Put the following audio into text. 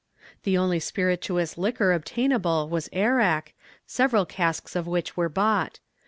"The only spirituous liquor obtainable was arrack, several casks of which were bought.